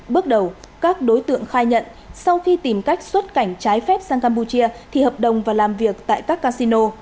bước đầu các đối tượng khai nhận sau khi tìm cách xuất cảnh trái phép sang campuchia thì hợp đồng và làm việc tại các casino